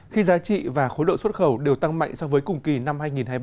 khi giá trị và khối lượng xuất khẩu đều tăng mạnh so với cùng kỳ năm hai nghìn hai mươi ba